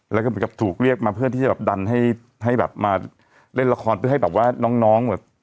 แล้วก็เหมือนกับถูกเรียกมาเพื่อที่จะแบบดันให้แบบมาเล่นละครเพื่อให้แบบว่าน้องแบบ